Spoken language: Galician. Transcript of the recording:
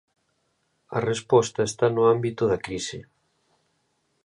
A resposta está no ámbito da crise.